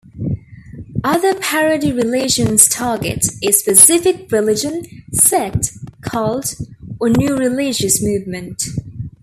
Other parody religions target a specific religion, sect, cult, or new religious movement.